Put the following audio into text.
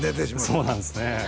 そうなんですね